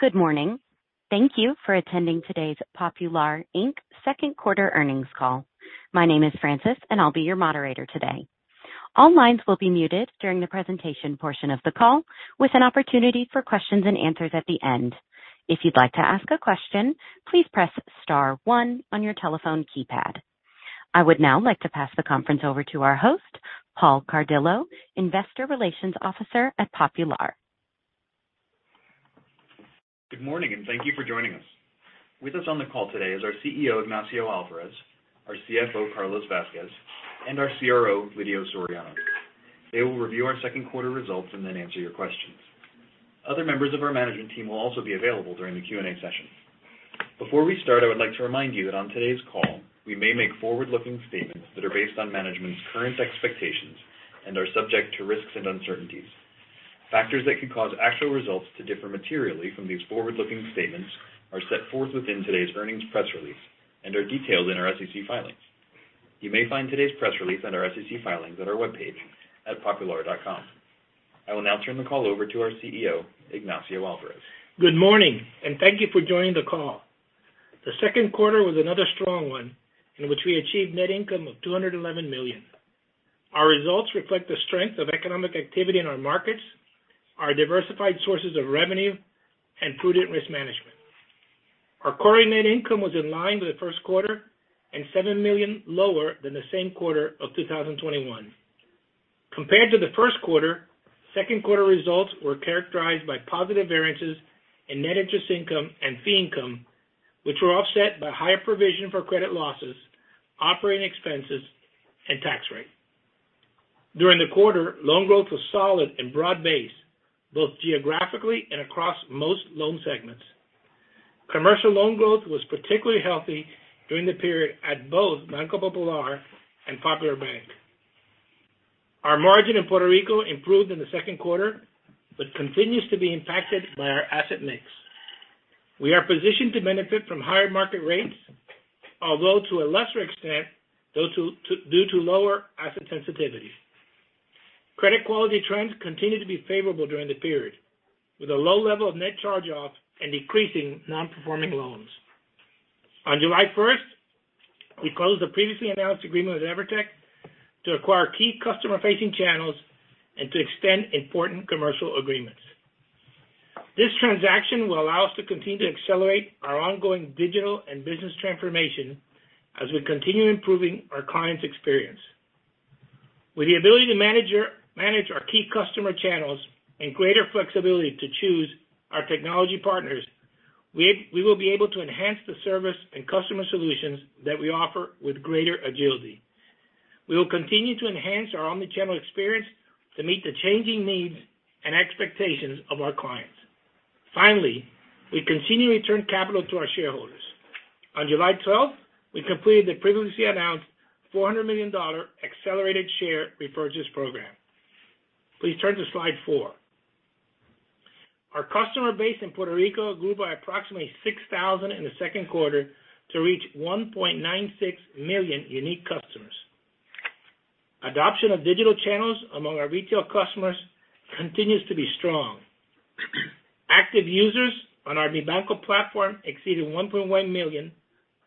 Good morning. Thank you for attending today's Popular, Inc. Second Quarter Earnings Call. My name is Francis, and I'll be your moderator today. All lines will be muted during the presentation portion of the call, with an opportunity for questions and answers at the end. If you'd like to ask a question, please press star one on your telephone keypad. I would now like to pass the conference over to our host, Paul Cardillo, Investor Relations Officer at Popular, Inc. Good morning and thank you for joining us. With us on the call today is our CEO, Ignacio Alvarez, our CFO, Carlos Vázquez, and our CRO, Lidio Soriano. They will review our second quarter results and then answer your questions. Other members of our management team will also be available during the Q&A session. Before we start, I would like to remind you that on today's call, we may make forward-looking statements that are based on management's current expectations and are subject to risks and uncertainties. Factors that could cause actual results to differ materially from these forward-looking statements are set forth within today's earnings press release and are detailed in our SEC filings. You may find today's press release and our SEC filings at our webpage at popular.com. I will now turn the call over to our CEO, Ignacio Alvarez. Good morning and thank you for joining the call. The second quarter was another strong one in which we achieved net income of $211 million. Our results reflect the strength of economic activity in our markets, our diversified sources of revenue, and prudent risk management. Our core net income was in line with the first quarter and $7 million lower than the same quarter of 2021. Compared to the first quarter, second quarter results were characterized by positive variances in net interest income and fee income, which were offset by higher provision for credit losses, operating expenses, and tax rate. During the quarter, loan growth was solid and broad-based, both geographically and across most loan segments. Commercial loan growth was particularly healthy during the period at both Banco Popular and Popular Bank. Our margin in Puerto Rico improved in the second quarter but continues to be impacted by our asset mix. We are positioned to benefit from higher market rates, although to a lesser extent due to lower asset sensitivity. Credit quality trends continued to be favorable during the period, with a low level of net charge-offs and decreasing non-performing loans. On July 1st, we closed the previously announced agreement with Evertec to acquire key customer-facing channels and to extend important commercial agreements. This transaction will allow us to continue to accelerate our ongoing digital and business transformation as we continue improving our clients' experience. With the ability to manage our key customer channels and greater flexibility to choose our technology partners, we will be able to enhance the service and customer solutions that we offer with greater agility. We will continue to enhance our omni-channel experience to meet the changing needs and expectations of our clients. Finally, we continue to return capital to our shareholders. On July twelfth, we completed the previously announced $400 million accelerated share repurchase program. Please turn to slide 4. Our customer base in Puerto Rico grew by approximately 6,000 in the second quarter to reach 1.96 million unique customers. Adoption of digital channels among our retail customers continues to be strong. Active users on our Mi Banco platform exceeded 1.1 million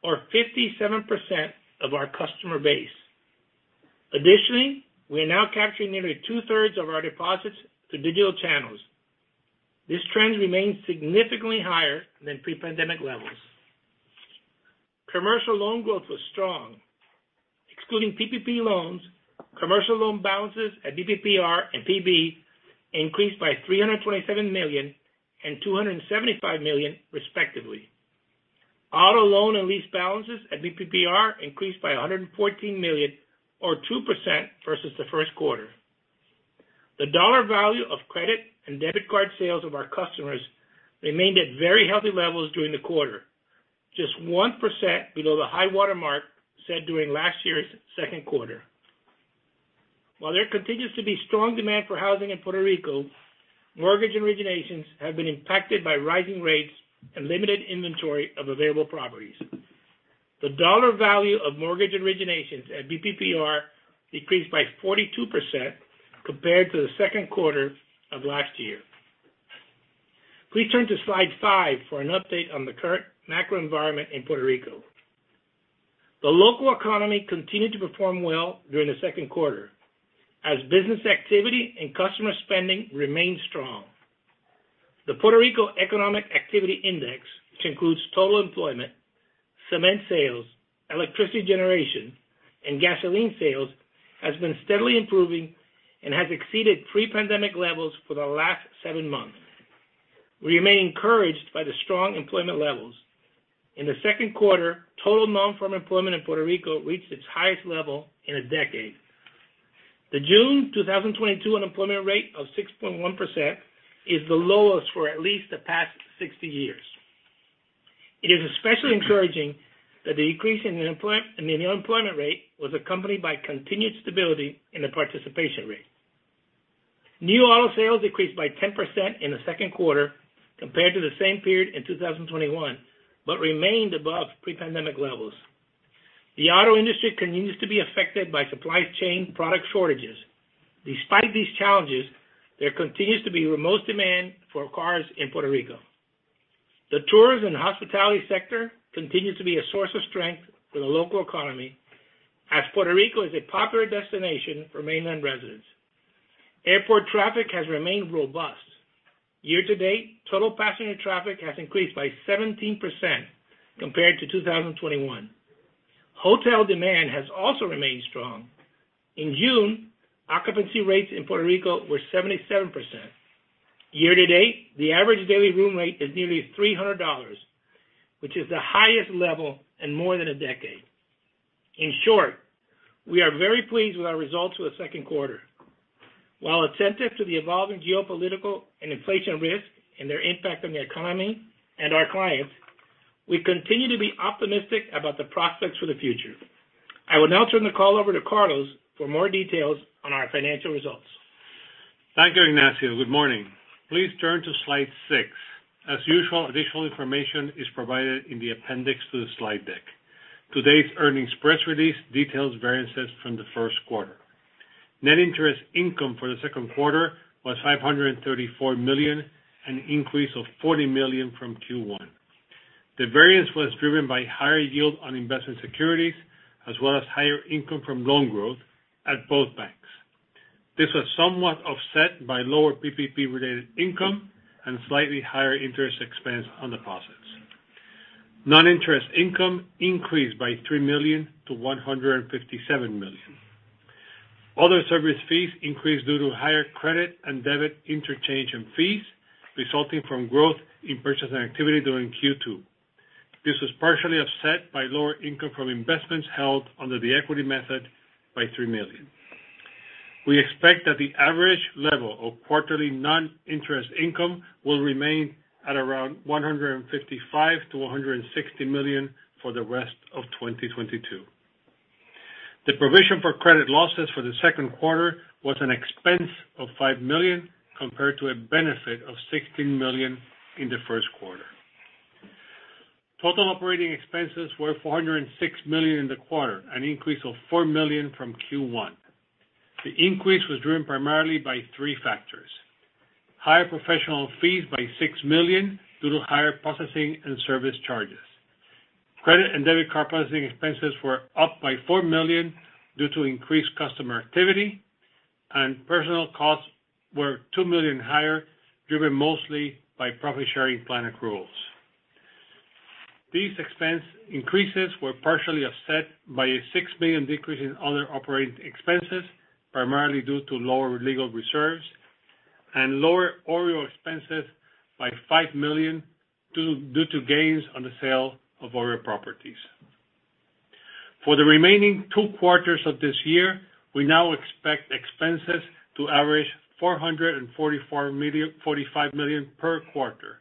or 57% of our customer base. Additionally, we are now capturing nearly two-thirds of our deposits to digital channels. This trend remains significantly higher than pre-pandemic levels. Commercial loan growth was strong. Excluding PPP loans, commercial loan balances at BPPR and PB increased by $327 million and $275 million, respectively. Auto loan and lease balances at BPPR increased by $114 million or 2% versus the first quarter. The dollar value of credit and debit card sales of our customers remained at very healthy levels during the quarter, just 1% below the high-water mark set during last year's second quarter. While there continues to be strong demand for housing in Puerto Rico, mortgage originations have been impacted by rising rates and limited inventory of available properties. The dollar value of mortgage originations at BPPR decreased by 42% compared to the second quarter of last year. Please turn to slide 5 for an update on the current macro environment in Puerto Rico. The local economy continued to perform well during the second quarter as business activity and customer spending remained strong. The Puerto Rico Economic Activity Index, which includes total employment, cement sales, electricity generation, and gasoline sales, has been steadily improving and has exceeded pre-pandemic levels for the last seven months. We remain encouraged by the strong employment levels. In the second quarter, total non-farm employment in Puerto Rico reached its highest level in a decade. The June 2022 unemployment rate of 6.1% is the lowest for at least the past 60 years. It is especially encouraging that the decrease in the unemployment rate was accompanied by continued stability in the participation rate. New auto sales decreased by 10% in the second quarter compared to the same period in 2021 but remained above pre-pandemic levels. The auto industry continues to be affected by supply chain product shortages. Despite these challenges, there continues to be robust demand for cars in Puerto Rico. The tourism hospitality sector continues to be a source of strength for the local economy, as Puerto Rico is a popular destination for mainland residents. Airport traffic has remained robust. Year-to-date, total passenger traffic has increased by 17% compared to 2021. Hotel demand has also remained strong. In June, occupancy rates in Puerto Rico were 77%. Year-to-date, the average daily room rate is nearly $300, which is the highest level in more than a decade. In short, we are very pleased with our results for the second quarter. While attentive to the evolving geopolitical and inflation risk and their impact on the economy and our clients, we continue to be optimistic about the prospects for the future. I will now turn the call over to Carlos for more details on our financial results. Thank you, Ignacio. Good morning. Please turn to slide 6. As usual, additional information is provided in the appendix to the slide deck. Today's earnings press release details variances from the first quarter. Net interest income for the second quarter was $534 million, an increase of $40 million from Q1. The variance was driven by higher yield on investment securities, as well as higher income from loan growth at both banks. This was somewhat offset by lower PPP-related income and slightly higher interest expense on deposits. Non-interest income increased by $3 million to $157 million. Other service fees increased due to higher credit and debit interchange and fees, resulting from growth in purchasing activity during Q2. This was partially offset by lower income from investments held under the equity method by $3 million. We expect that the average level of quarterly non-interest income will remain at around $155 million-$160 million for the rest of 2022. The provision for credit losses for the second quarter was an expense of $5 million, compared to a benefit of $16 million in the first quarter. Total operating expenses were $406 million in the quarter, an increase of $4 million from Q1. The increase was driven primarily by three factors. Higher professional fees by $6 million due to higher processing and service charges. Credit and debit card processing expenses were up by $4 million due to increased customer activity, and personal costs were $2 million higher, driven mostly by profit-sharing plan accruals. These expense increases were partially offset by a $6 million decrease in other operating expenses, primarily due to lower legal reserves and lower OREO expenses by $5 million due to gains on the sale of OREO properties. For the remaining two quarters of this year, we now expect expenses to average $444 million-$450 million per quarter.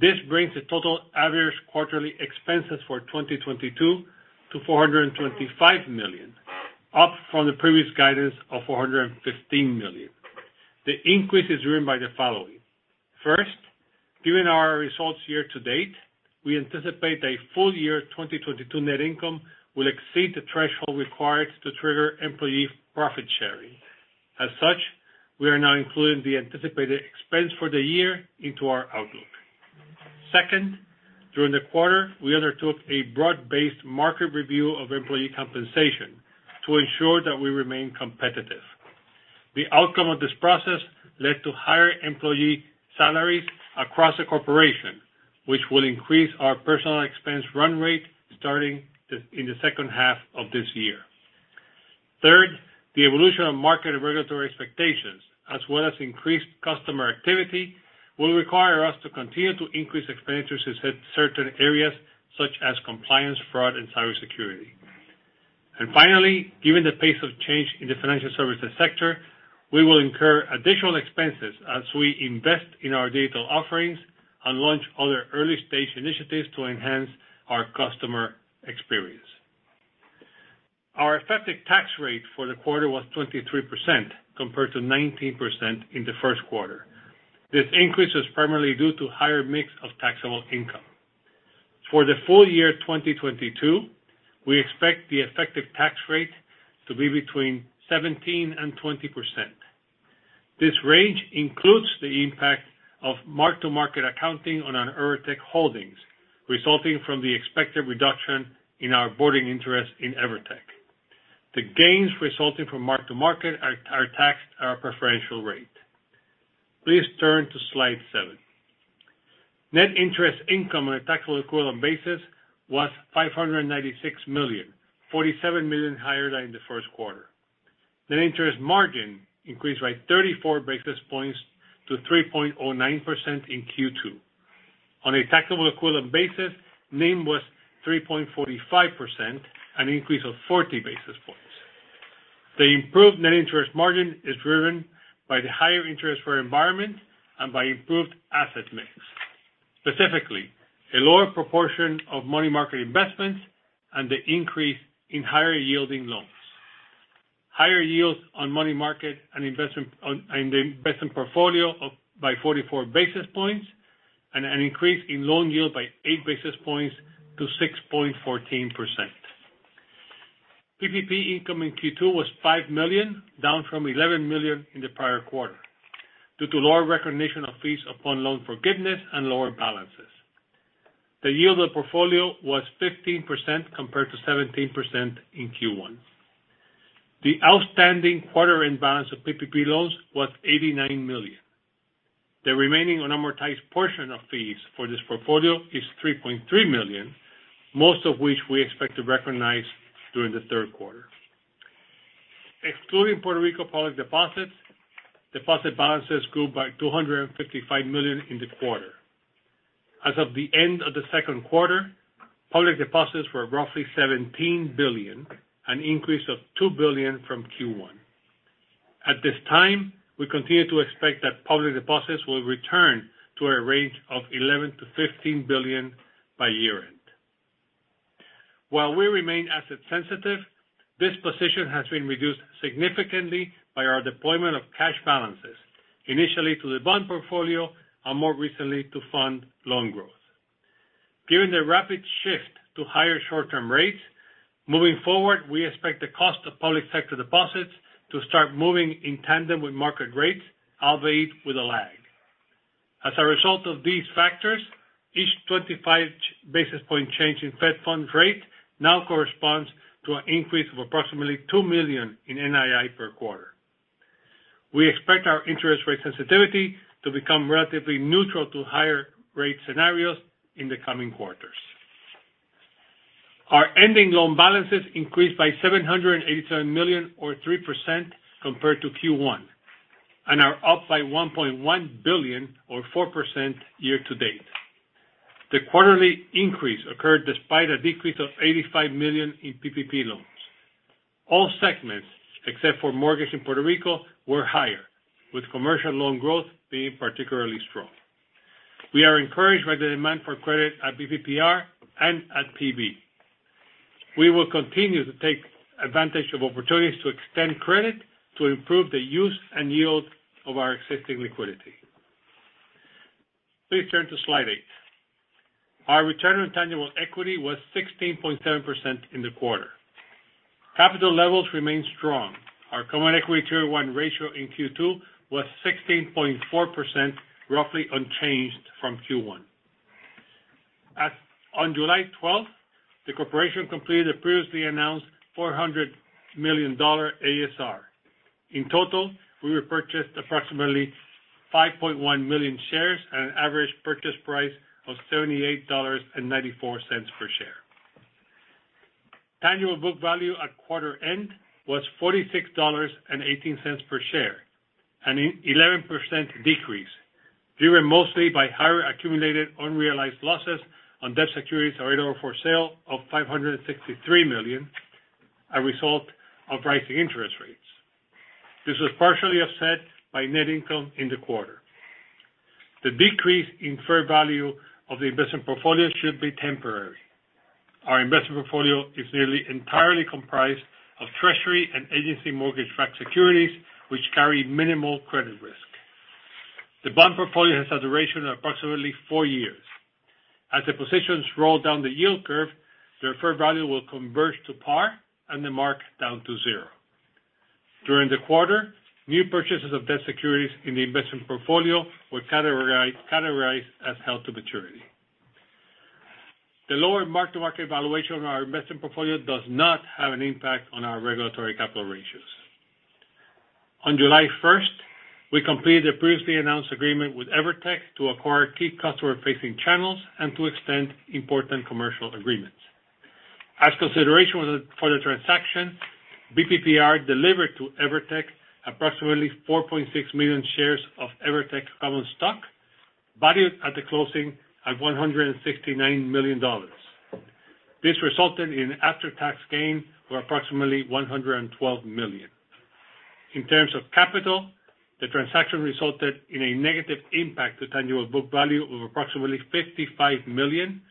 This brings the total average quarterly expenses for 2022 to $425 million, up from the previous guidance of $415 million. The increase is driven by the following. First, given our results year to date, we anticipate a full-year 2022 net income will exceed the threshold required to trigger employee profit sharing. As such, we are now including the anticipated expense for the year into our outlook. Second, during the quarter, we undertook a broad-based market review of employee compensation to ensure that we remain competitive. The outcome of this process led to higher employee salaries across the corporation, which will increase our personnel expense run rate starting in the second half of this year. Third, the evolution of market and regulatory expectations, as well as increased customer activity, will require us to continue to increase expenditures in certain areas such as compliance, fraud, and cybersecurity. Finally, given the pace of change in the financial services sector, we will incur additional expenses as we invest in our data offerings and launch other early-stage initiatives to enhance our customer experience. Our effective tax rate for the quarter was 23%, compared to 19% in the first quarter. This increase was primarily due to higher mix of taxable income. For the full year 2022, we expect the effective tax rate to be between 17%-20%. This range includes the impact of mark-to-market accounting on our Evertec holdings, resulting from the expected reduction in our ownership interest in Evertec. The gains resulting from mark-to-market are taxed at a preferential rate. Please turn to slide seven. Net interest income on a taxable equivalent basis was $596 million, $47 million higher than in the first quarter. Net interest margin increased by 34 basis points to 3.09% in Q2. On a taxable equivalent basis, NIM was 3.45%, an increase of 40 basis points. The improved net interest margin is driven by the higher interest rate environment and by improved asset mix. Specifically, a lower proportion of money market investments and the increase in higher-yielding loans. Higher yields on money market and investment and the investment portfolio by 44 basis points and an increase in loan yield by 8 basis points to 6.14%. PPP income in Q2 was $5 million, down from $11 million in the prior quarter due to lower recognition of fees upon loan forgiveness and lower balances. The yield on portfolio was 15% compared to 17% in Q1. The outstanding balance of PPP loans was $89 million. The remaining unamortized portion of fees for this portfolio is $3.3 million, most of which we expect to recognize during the third quarter. Excluding Puerto Rico public deposits, deposit balances grew by $255 million in the quarter. As of the end of the second quarter, public deposits were roughly $17 billion, an increase of $2 billion from Q1. At this time, we continue to expect that public deposits will return to a range of $11 billion-$15 billion by year-end. While we remain asset sensitive, this position has been reduced significantly by our deployment of cash balances, initially to the bond portfolio and more recently to fund loan growth. Given the rapid shift to higher short-term rates, moving forward, we expect the cost of public sector deposits to start moving in tandem with market rates, albeit with a lag. As a result of these factors, each 25 basis point change in Fed funds rate now corresponds to an increase of approximately $2 million in NII per quarter. We expect our interest rate sensitivity to become relatively neutral to higher rate scenarios in the coming quarters. Our ending loan balances increased by $787 million or 3% compared to Q1, and are up by $1.1 billion or 4% year to date. The quarterly increase occurred despite a decrease of $85 million in PPP loans. All segments, except for mortgage in Puerto Rico, were higher, with commercial loan growth being particularly strong. We are encouraged by the demand for credit at BPPR and at PB. We will continue to take advantage of opportunities to extend credit to improve the use and yield of our existing liquidity. Please turn to slide 8. Our return on tangible equity was 16.7% in the quarter. Capital levels remain strong. Our common equity tier one ratio in Q2 was 16.4%, roughly unchanged from Q1. As on July 12th, the corporation completed a previously announced $400 million ASR. In total, we repurchased approximately 5.1 million shares at an average purchase price of $78.94 per share. Tangible book value at quarter end was $46.18 per share, an 11% decrease, driven mostly by higher accumulated unrealized losses on debt securities available for sale of $563 million, a result of rising interest rates. This was partially offset by net income in the quarter. The decrease in fair value of the investment portfolio should be temporary. Our investment portfolio is nearly entirely comprised of treasury and agency mortgage-backed securities, which carry minimal credit risk. The bond portfolio has a duration of approximately four years. As the positions roll down the yield curve, their fair value will converge to par and the mark down to zero. During the quarter, new purchases of debt securities in the investment portfolio were categorized as held to maturity. The lower mark-to-market valuation of our investment portfolio does not have an impact on our regulatory capital ratios. On July 1, we completed a previously announced agreement with Evertec to acquire key customer-facing channels and to extend important commercial agreements. As consideration for the transaction, BPPR delivered to Evertec approximately 4.6 million shares of Evertec common stock, valued at the closing at $169 million. This resulted in after-tax gain of approximately $112 million. In terms of capital, the transaction resulted in a negative impact to tangible book value of approximately $55 million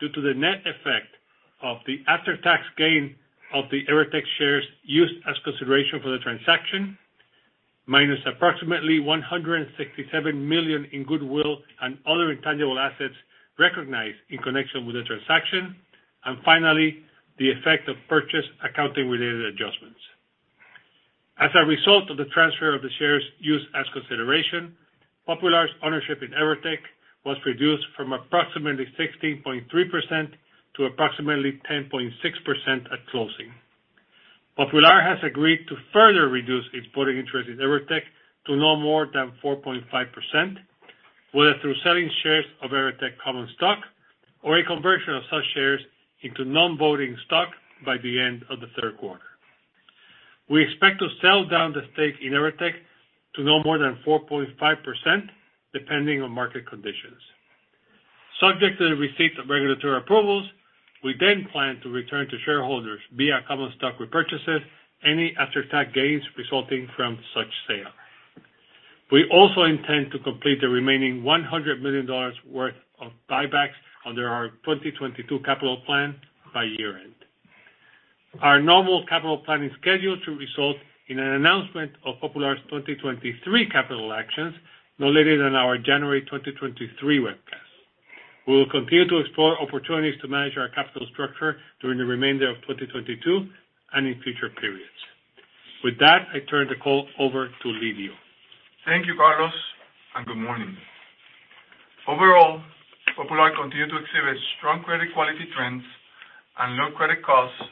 due to the net effect of the after-tax gain of the Evertec shares used as consideration for the transaction, minus approximately $167 million in goodwill and other intangible assets recognized in connection with the transaction, and finally, the effect of purchase accounting-related adjustments. As a result of the transfer of the shares used as consideration, Popular's ownership in Evertec was reduced from approximately 16.3% to approximately 10.6% at closing. Popular has agreed to further reduce its voting interest in Evertec to no more than 4.5%, whether through selling shares of Evertec common stock or a conversion of such shares into non-voting stock by the end of the third quarter. We expect to sell down the stake in Evertec to no more than 4.5% depending on market conditions. Subject to the receipt of regulatory approvals, we then plan to return to shareholders via common stock repurchases any after-tax gains resulting from such sale. We also intend to complete the remaining $100 million worth of buybacks under our 2022 capital plan by year-end. Our normal capital plan is scheduled to result in an announcement of Popular's 2023 capital actions no later than our January 2023 webcast. We will continue to explore opportunities to manage our capital structure during the remainder of 2022 and in future periods. With that, I turn the call over to Lidio. Thank you, Carlos, and good morning. Overall, Popular continued to exhibit strong credit quality trends and low credit costs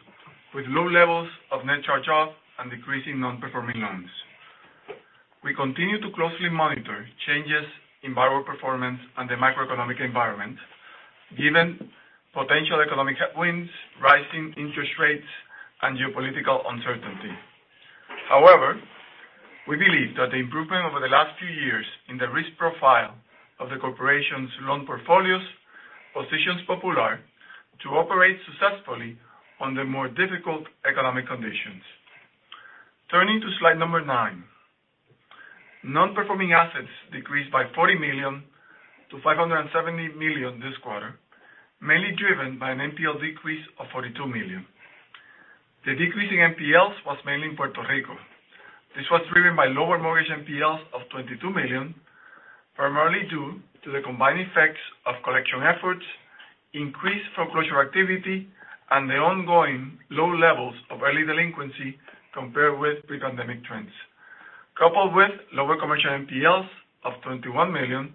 with low levels of net charge-off and decreasing non-performing loans. We continue to closely monitor changes in borrower performance and the macroeconomic environment given potential economic headwinds, rising interest rates, and geopolitical uncertainty. However, we believe that the improvement over the last few years in the risk profile of the corporation's loan portfolios positions Popular to operate successfully under more difficult economic conditions. Turning to slide number 9. Non-performing assets decreased by $40 million to $570 million this quarter, mainly driven by an NPL decrease of $42 million. The decrease in NPLs was mainly in Puerto Rico. This was driven by lower mortgage NPLs of $22 million, primarily due to the combined effects of collection efforts, increased foreclosure activity, and the ongoing low levels of early delinquency compared with pre-pandemic trends. Coupled with lower commercial NPLs of $21 million,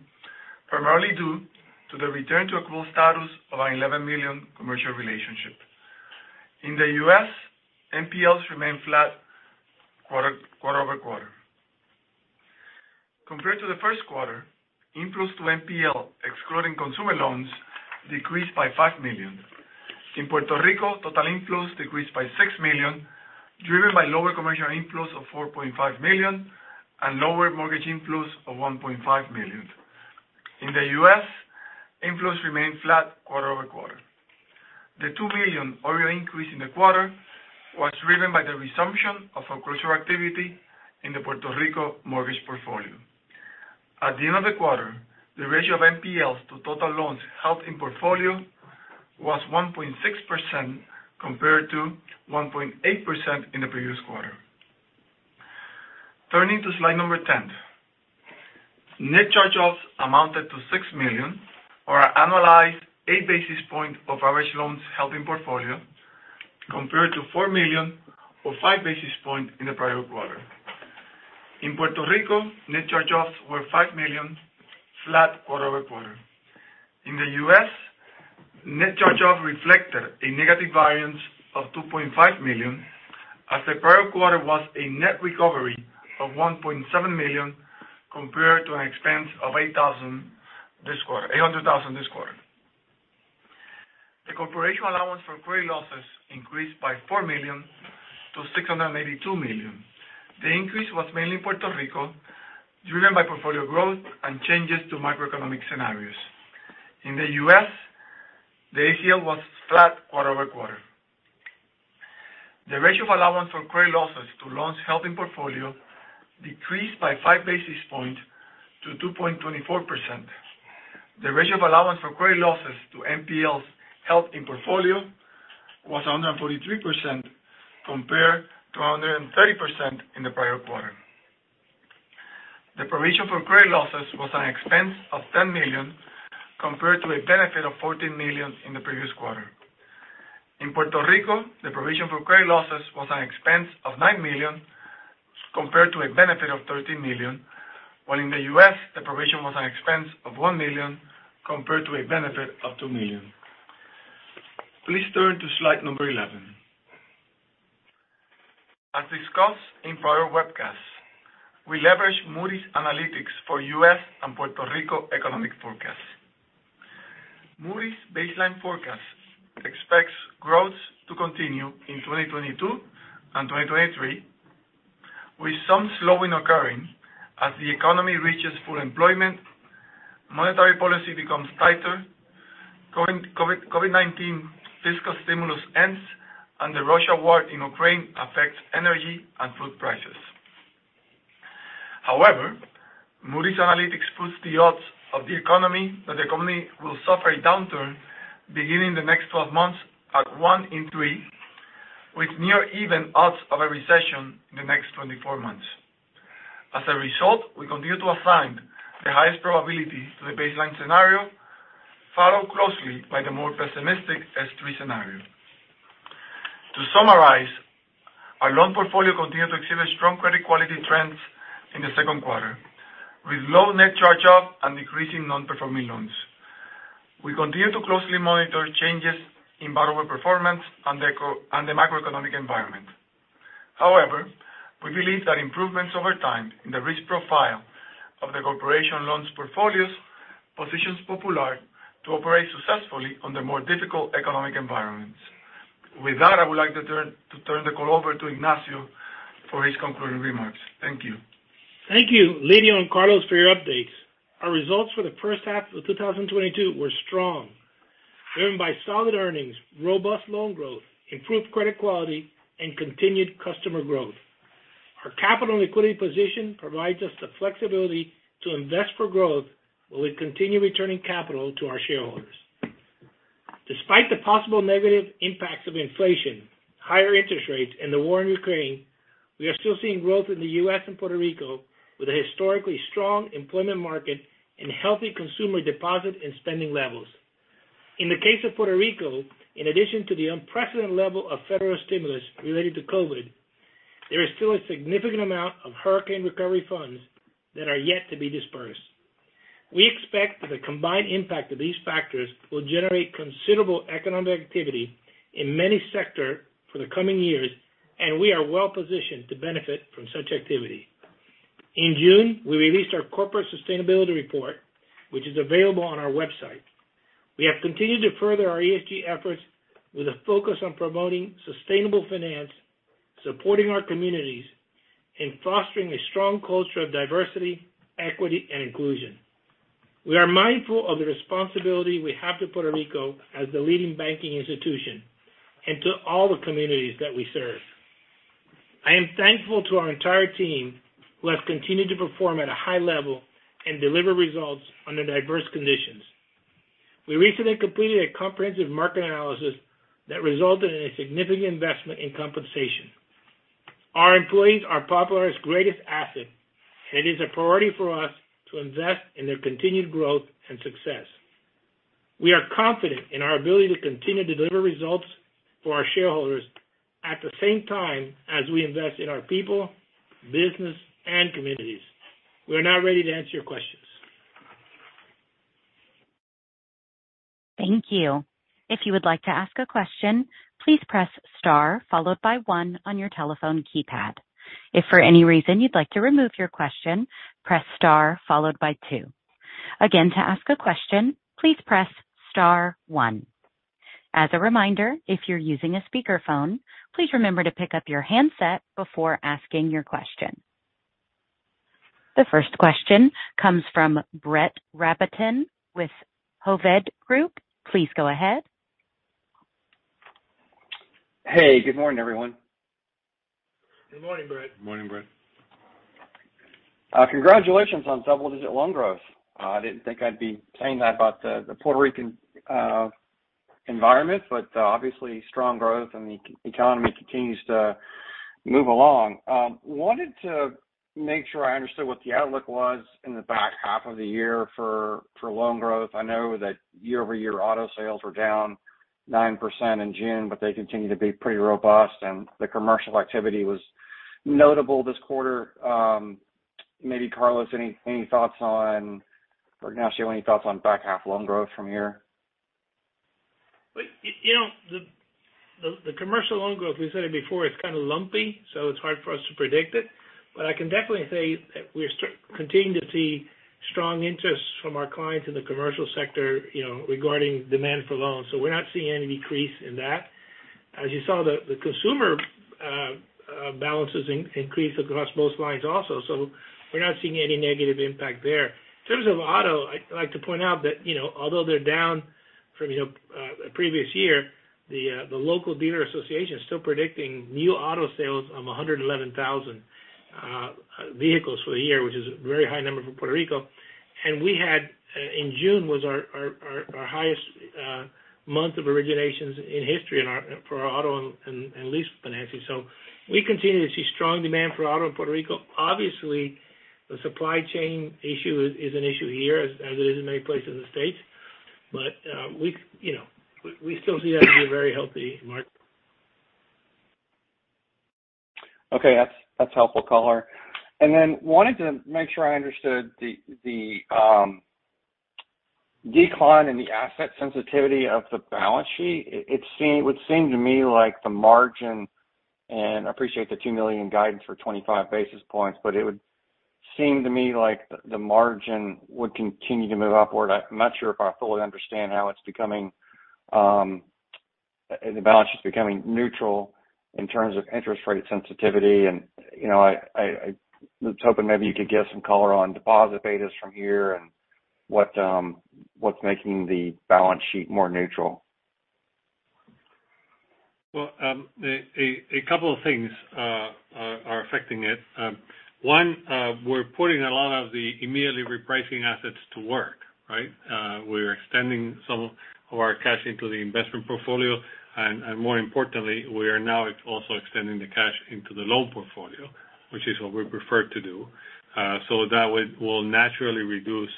primarily due to the return to approved status of our $11 million commercial relationship. In the U.S., NPLs remained flat quarter-over-quarter. Compared to the first quarter, inflows to NPL, excluding consumer loans, decreased by $5 million. In Puerto Rico, total inflows decreased by $6 million, driven by lower commercial inflows of $4.5 million and lower mortgage inflows of $1.5 million. In the U.S., inflows remained flat quarter-over-quarter. The $2 million OREO increase in the quarter was driven by the resumption of foreclosure activity in the Puerto Rico mortgage portfolio. At the end of the quarter, the ratio of NPLs to total loans held in portfolio was 1.6% compared to 1.8% in the previous quarter. Turning to slide 10. Net charge-offs amounted to $6 million or an annualized 8 basis points of average loans held in portfolio, compared to $4 million or 5 basis points in the prior quarter. In Puerto Rico, net charge-offs were $5 million, flat quarter over quarter. In the US, net charge-offs reflected a negative variance of $2.5 million, as the prior quarter was a net recovery of $1.7 million compared to an expense of $800,000 this quarter. The corporate allowance for credit losses increased by $4 million to $682 million. The increase was mainly in Puerto Rico, driven by portfolio growth and changes to macroeconomic scenarios. In the US, the ACL was flat quarter over quarter. The ratio of allowance for credit losses to loans held in portfolio decreased by 5 basis points to 2.24%. The ratio of allowance for credit losses to NPLs held in portfolio was 143% compared to 130% in the prior quarter. The provision for credit losses was an expense of $10 million compared to a benefit of $14 million in the previous quarter. In Puerto Rico, the provision for credit losses was an expense of $9 million compared to a benefit of $13 million. While in the US, the provision was an expense of $1 million compared to a benefit of $2 million. Please turn to slide 11. As discussed in prior webcasts, we leverage Moody's Analytics for U.S. and Puerto Rico economic forecasts. Moody's baseline forecast expects growth to continue in 2022 and 2023, with some slowing occurring as the economy reaches full employment, monetary policy becomes tighter, COVID-19 fiscal stimulus ends, and the Russian war in Ukraine affects energy and food prices. However, Moody's Analytics puts the odds that the economy will suffer a downturn beginning the next 12 months at 1 in 3, with near even odds of a recession in the next 24 months. As a result, we continue to assign the highest probability to the baseline scenario, followed closely by the more pessimistic S3 scenario. To summarize, our loan portfolio continued to exhibit strong credit quality trends in the second quarter, with low net charge-off and decreasing non-performing loans. We continue to closely monitor changes in borrower performance and the macroeconomic environment. However, we believe that improvements over time in the risk profile of the corporate loan portfolios positions Popular to operate successfully under more difficult economic environments. With that, I would like to turn the call over to Ignacio for his concluding remarks. Thank you. Thank you, Lidio and Carlos, for your updates. Our results for the first half of 2022 were strong. Driven by solid earnings, robust loan growth, improved credit quality, and continued customer growth. Our capital and liquidity position provides us the flexibility to invest for growth, while we continue returning capital to our shareholders. Despite the possible negative impacts of inflation, higher interest rates, and the war in Ukraine, we are still seeing growth in the U.S. and Puerto Rico with a historically strong employment market and healthy consumer deposit and spending levels. In the case of Puerto Rico, in addition to the unprecedented level of federal stimulus related to COVID, there is still a significant amount of hurricane recovery funds that are yet to be dispersed. We expect that the combined impact of these factors will generate considerable economic activity in many sectors for the coming years, and we are well-positioned to benefit from such activity. In June, we released our corporate sustainability report, which is available on our website. We have continued to further our ESG efforts with a focus on promoting sustainable finance, supporting our communities, and fostering a strong culture of diversity, equity and inclusion. We are mindful of the responsibility we have to Puerto Rico as the leading banking institution and to all the communities that we serve. I am thankful to our entire team, who have continued to perform at a high level and deliver results under diverse conditions. We recently completed a comprehensive market analysis that resulted in a significant investment in compensation. Our employees are Popular's greatest asset, and it is a priority for us to invest in their continued growth and success. We are confident in our ability to continue to deliver results for our shareholders at the same time as we invest in our people, business, and communities. We are now ready to answer your questions. Thank you. If you would like to ask a question, please press star followed by one on your telephone keypad. If for any reason you'd like to remove your question, press star followed by two. Again, to ask a question, please press star one. As a reminder, if you're using a speakerphone, please remember to pick up your handset before asking your question. The first question comes from Brett Rabatin with Hovde Group. Please go ahead. Hey, good morning, everyone. Good morning, Brett. Morning, Brett. Congratulations on double-digit loan growth. I didn't think I'd be saying that about the Puerto Rican environment, but obviously strong growth and the economy continues to move along. Wanted to make sure I understood what the outlook was in the back half of the year for loan growth. I know that year-over-year auto sales were down 9% in June, but they continue to be pretty robust and the commercial activity was notable this quarter. Maybe Carlos, any thoughts on back half loan growth? Or Ignacio, any thoughts on back half loan growth from here? Well, you know, the commercial loan growth, we said it before, it's kind of lumpy, so it's hard for us to predict it. I can definitely say that we're continuing to see strong interest from our clients in the commercial sector, you know, regarding demand for loans. We're not seeing any decrease in that. As you saw the consumer balances increase across most lines also. We're not seeing any negative impact there. In terms of auto, I'd like to point out that, you know, although they're down from, you know, previous year, the local dealer association is still predicting new auto sales of 111,000 vehicles for the year, which is a very high number for Puerto Rico. In June was our highest month of originations in history for our auto and lease financing. We continue to see strong demand for auto in Puerto Rico. Obviously, the supply chain issue is an issue here as it is in many places in the States. We, you know, still see that to be a very healthy market. Okay. That's helpful color. Then I wanted to make sure I understood the decline in the asset sensitivity of the balance sheet. It would seem to me like the margin, and I appreciate the $2 million guidance for 25 basis points, but it would seem to me like the margin would continue to move upward. I'm not sure if I fully understand how it's becoming the balance sheet's becoming neutral in terms of interest rate sensitivity. You know, I was hoping maybe you could give some color on deposit betas from here and what's making the balance sheet more neutral. Well, a couple of things are affecting it. One, we're putting a lot of the immediately repricing assets to work, right? We're extending some of our cash into the investment portfolio, and more importantly, we are now also extending the cash into the loan portfolio, which is what we prefer to do. That will naturally reduce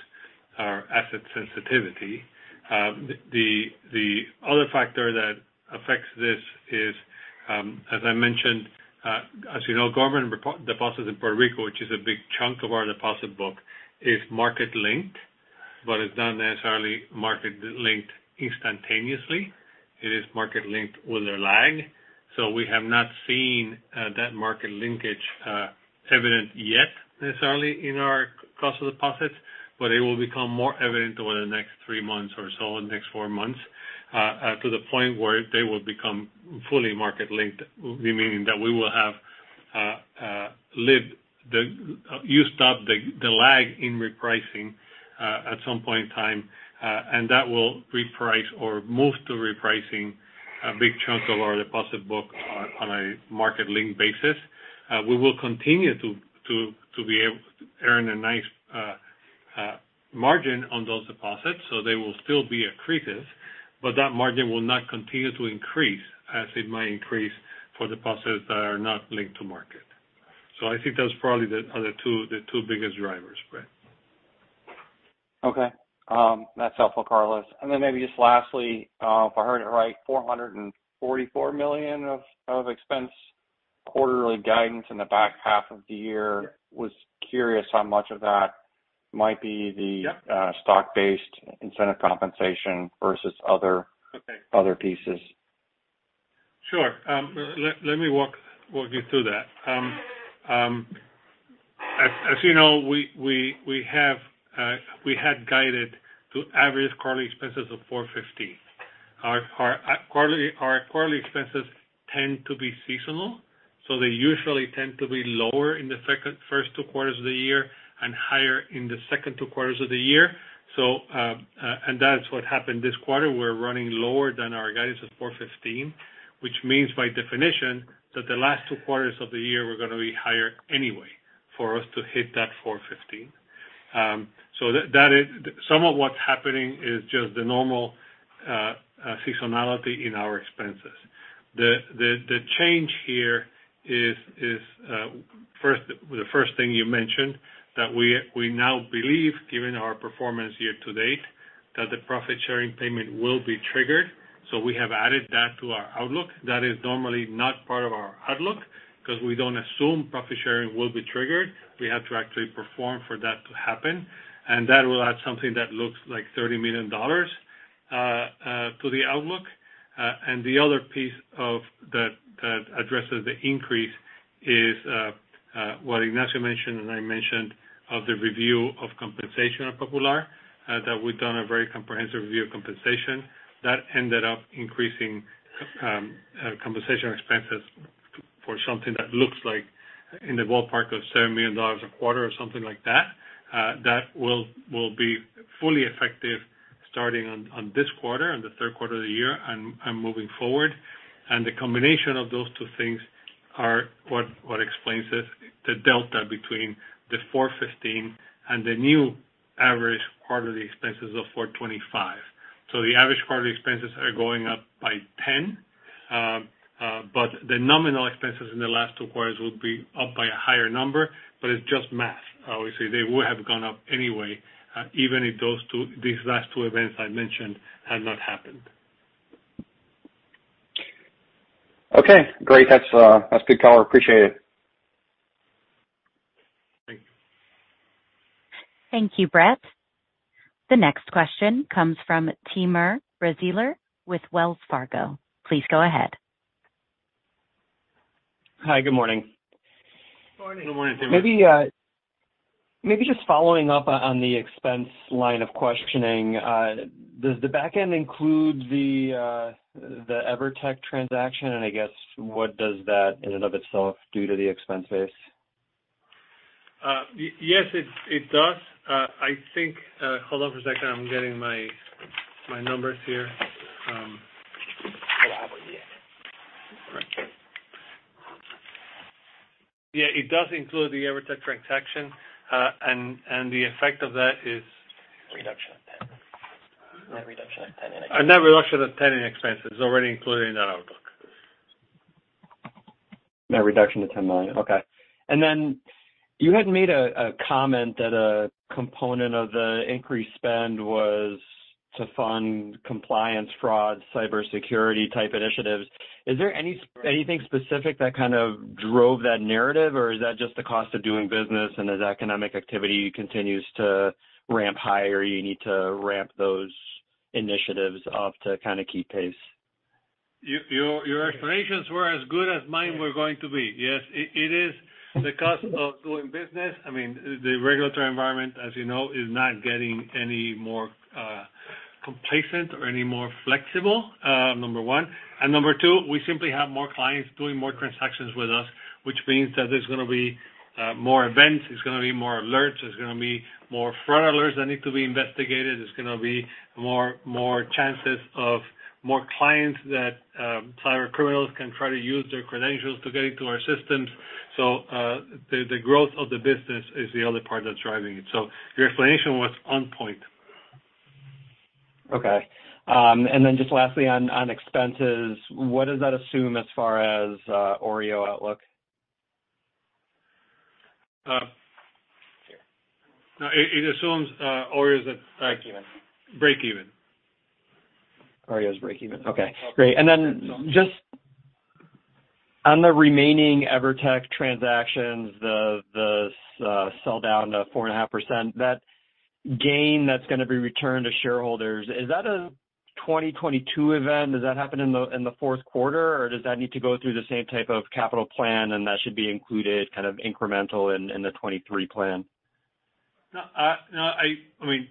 our asset sensitivity. The other factor that affects this is, as I mentioned, as you know, government repo deposits in Puerto Rico, which is a big chunk of our deposit book, is market linked, but it's not necessarily market linked instantaneously. It is market linked with a lag. We have not seen that market linkage evident yet necessarily in our cost of deposits, but it will become more evident over the next three months or so, the next four months. To the point where they will become fully market linked, meaning that we will have eliminated the lag in repricing at some point in time. That will reprice or move to repricing a big chunk of our deposit book on a market link basis. We will continue to be able to earn a nice margin on those deposits, so they will still be accretive, but that margin will not continue to increase as it might increase for deposits that are not linked to market. I think that's probably the two biggest drivers, Brett. Okay. That's helpful, Carlos. Maybe just lastly, if I heard it right, $444 million of expense quarterly guidance in the back half of the year. Yeah. Was curious how much of that might be the Yeah. stock-based incentive compensation versus other Okay. other pieces. Sure. Let me walk you through that. As you know, we had guided to average quarterly expenses of $415. Our quarterly expenses tend to be seasonal, so they usually tend to be lower in the first two quarters of the year and higher in the second two quarters of the year. That's what happened this quarter. We're running lower than our guidance of $415, which means by definition that the last two quarters of the year were gonna be higher anyway for us to hit that $415. That is some of what's happening is just the normal seasonality in our expenses. The change here is the first thing you mentioned that we now believe, given our performance year to date, that the profit-sharing payment will be triggered. We have added that to our outlook. That is normally not part of our outlook because we don't assume profit sharing will be triggered. We have to actually perform for that to happen, and that will add something that looks like $30 million to the outlook. And the other piece of that that addresses the increase is what Ignacio mentioned, and I mentioned of the review of compensation at Popular, that we've done a very comprehensive review of compensation that ended up increasing compensation expenses for something that looks like in the ballpark of $7 million a quarter or something like that. That will be fully effective starting on this quarter, the third quarter of the year and moving forward. The combination of those two things is what explains this, the delta between the 415 and the new average quarterly expenses of 425. The average quarterly expenses are going up by 10. The nominal expenses in the last two quarters will be up by a higher number. It's just math, obviously. They would have gone up anyway, even if these last two events I mentioned had not happened. Okay, great. That's good color. Appreciate it. Thank you. Thank you, Brett. The next question comes from Timur Braziler with Wells Fargo. Please go ahead. Hi. Good morning. Morning. Good morning, Timur. Maybe just following up on the expense line of questioning. Does the back end include the Evertec transaction? I guess what does that in and of itself do to the expense base? Yes, it does. I think, hold on for a second. I'm getting my numbers here. Yeah. Yeah, it does include the Evertec transaction. The effect of that is. Reduction of 10. Net reduction of 10 in expenses. A net reduction of 10 in expenses. It's already included in that outlook. Net reduction of $10 million. Okay. You had made a comment that a component of the increased spend was to fund compliance, fraud, cybersecurity type initiatives. Is there anything specific that kind of drove that narrative, or is that just the cost of doing business, and as economic activity continues to ramp higher, you need to ramp those initiatives up to kind of keep pace? Your explanations were as good as mine were going to be. Yes, it is the cost of doing business. I mean, the regulatory environment, as you know, is not getting any more complacent or any more flexible, number one. Number two, we simply have more clients doing more transactions with us, which means that there's gonna be more events, there's gonna be more alerts, there's gonna be more fraud alerts that need to be investigated. There's gonna be more chances of more clients that cybercriminals can try to use their credentials to get into our systems. The growth of the business is the other part that's driving it. Your explanation was on point. Just lastly on expenses, what does that assume as far as OREO outlook? It assumes OREO's at. Breakeven. Breakeven. OREO's breakeven. Okay, great. Just on the remaining Evertec transactions, the sell down to 4.5%, that gain that's gonna be returned to shareholders, is that a 2022 event? Does that happen in the fourth quarter, or does that need to go through the same type of capital plan and that should be included kind of incremental in the 2023 plan? No, no, I mean,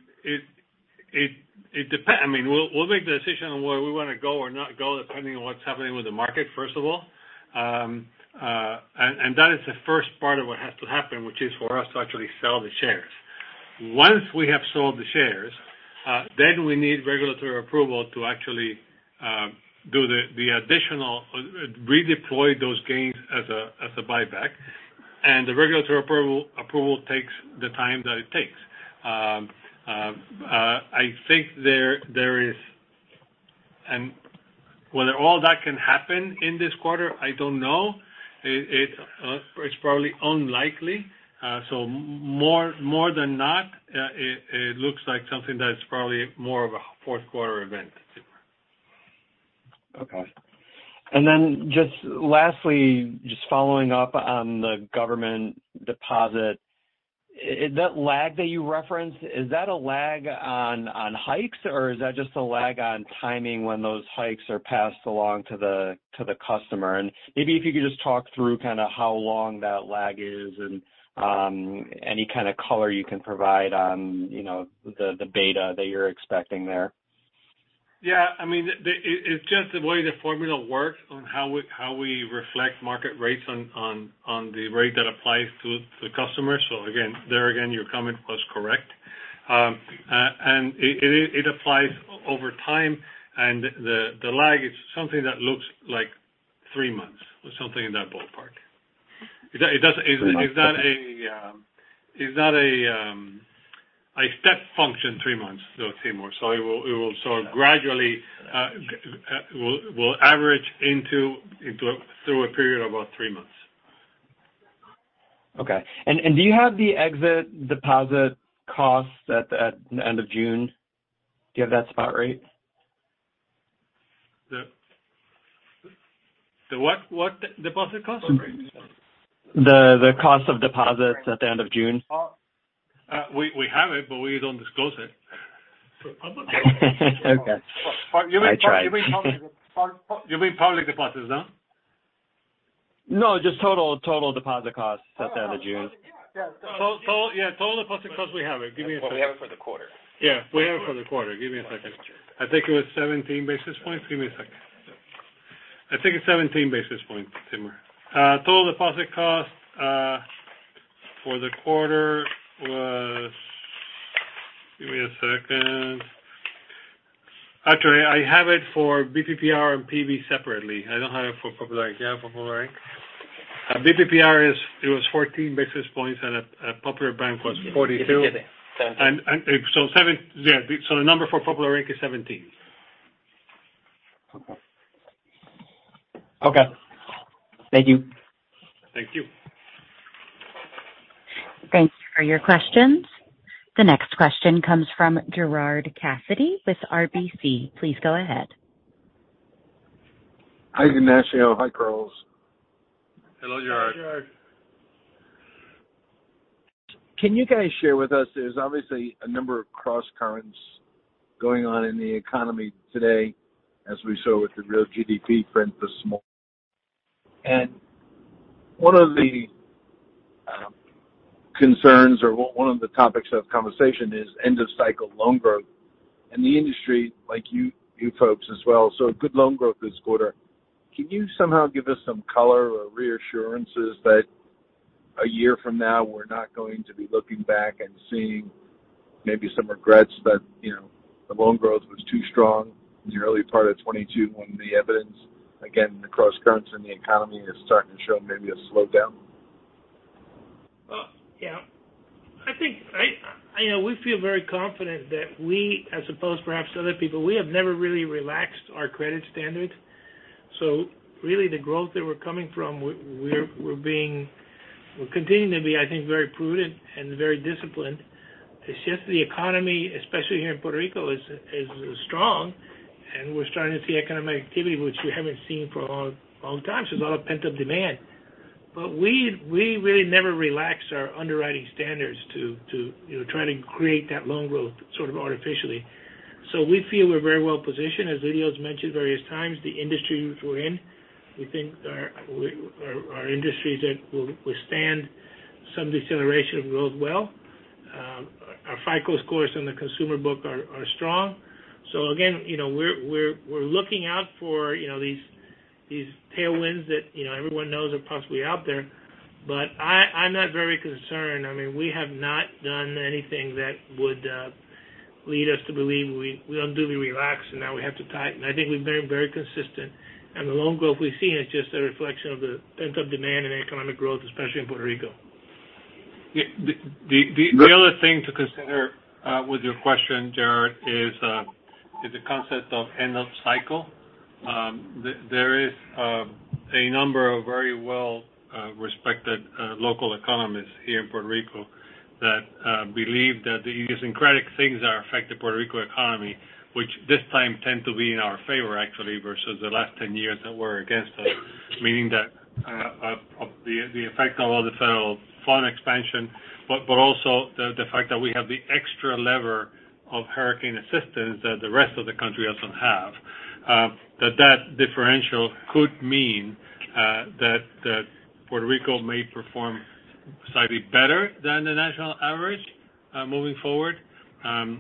we'll make the decision on where we wanna go or not go, depending on what's happening with the market, first of all. That is the first part of what has to happen, which is for us to actually sell the shares. Once we have sold the shares, then we need regulatory approval to actually redeploy those gains as a buyback. The regulatory approval takes the time that it takes. I don't know whether all that can happen in this quarter. It's probably unlikely. More than not, it looks like something that is probably more of a fourth quarter event. Okay. Just lastly, just following up on the government deposit. Is that lag that you referenced, is that a lag on hikes, or is that just a lag on timing when those hikes are passed along to the customer? Maybe if you could just talk through kinda how long that lag is and any kind of color you can provide on, you know, the beta that you're expecting there. Yeah. I mean, it's just the way the formula works on how we reflect market rates on the rate that applies to the customers. Again, your comment was correct. It applies over time, and the lag is something that looks like three months or something in that ballpark. It does. 3 months. It's not a step function three months though, Timur. It will sort of gradually average into through a period of about three months. Okay. Do you have the exit deposit costs at the end of June? Do you have that spot rate? What? What deposit cost? The cost of deposits at the end of June. We have it, but we don't disclose it for public. Okay. I tried. You mean public deposits, no? No, just total deposit costs at the end of June. Total, yeah, total deposit costs, we have it. Give me a second. We have it for the quarter. Yeah. We have it for the quarter. Give me a second. I think it was 17 basis points. Give me a second. I think it's 17 basis points, Timur. Total deposit costs for the quarter was. Give me a second. Actually, I have it for BPPR and PB separately. I don't have it for Popular. You have it for Popular, Inc.? BPPR, it was 14 basis points, and at Popular Bank was 42. It's there. Yeah. The number for Popular, Inc. is 17. Okay. Thank you. Thank you. Thanks for your questions. The next question comes from Gerard Cassidy with RBC. Please go ahead. Hi, Ignacio. Hi, Carlos. Hello, Gerard. Hello, Gerard. Can you guys share with us? There's obviously a number of crosscurrents going on in the economy today, as we saw with the real GDP print this morning. One of the concerns or one of the topics of conversation is end-of-cycle loan growth. The industry like you folks as well saw good loan growth this quarter. Can you somehow give us some color or reassurances that a year from now we're not going to be looking back and seeing maybe some regrets that, you know, the loan growth was too strong in the early part of 2022 when the evidence, again, the crosscurrents in the economy is starting to show maybe a slowdown? Yeah. I think you know, we feel very confident that we, as opposed perhaps to other people, we have never really relaxed our credit standards. Really the growth that we're coming from, we're continuing to be, I think, very prudent and very disciplined. It's just the economy, especially here in Puerto Rico is strong, and we're starting to see economic activity which we haven't seen for a long, long time. There's a lot of pent-up demand. We really never relaxed our underwriting standards to you know, try to create that loan growth sort of artificially. We feel we're very well positioned. As Ignacio's mentioned various times, the industries we're in we think are industries that will withstand some deceleration growth well. Our FICO scores in the consumer book are strong. Again, you know, we're looking out for, you know, these tailwinds that, you know, everyone knows are possibly out there. I'm not very concerned. I mean, we have not done anything that would lead us to believe we unduly relaxed and now we have to tighten. I think we've been very consistent, and the loan growth we've seen is just a reflection of the pent-up demand and economic growth, especially in Puerto Rico. Yeah. The other thing to consider with your question, Gerard, is the concept of end of cycle. There is a number of very well respected local economists here in Puerto Rico that believe that the idiosyncratic things that affect the Puerto Rico economy, which this time tend to be in our favor actually versus the last 10 years that were against us, meaning that the effect of all the federal funds expansion, but also the fact that we have the extra lever of hurricane assistance that the rest of the country doesn't have. That differential could mean that Puerto Rico may perform slightly better than the national average moving forward. Some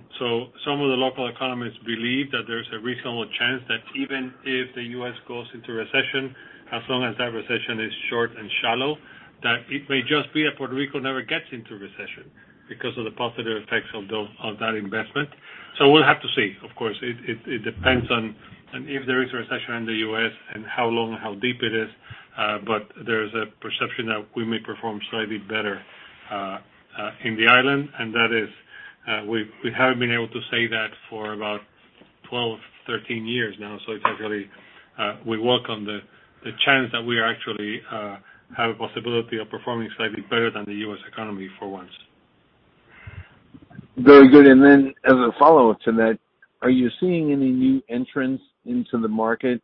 of the local economists believe that there's a reasonable chance that even if the U.S. goes into recession, as long as that recession is short and shallow, that it may just be that Puerto Rico never gets into recession because of the positive effects of that investment. We'll have to see. Of course, it depends on if there is a recession in the U.S. and how long and how deep it is. But there's a perception that we may perform slightly better in the island, and that is we haven't been able to say that for about 12, 13 years now. It's actually we welcome the chance that we are actually have a possibility of performing slightly better than the U.S. economy for once. Very good. As a follow-up to that, are you seeing any new entrants into the market